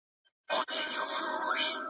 موږ د خپلې ژبې او کلتور ساتونکي یو.